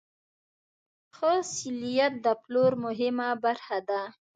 ښه سلیت د پلور مهمه برخه ده.